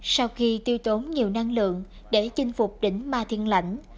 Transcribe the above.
sau khi tiêu tốn nhiều năng lượng để chinh phục đỉnh ma thiên lãnh